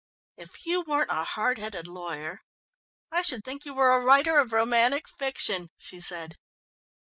"If you weren't a hard headed lawyer, I should think you were a writer of romantic fiction," she said.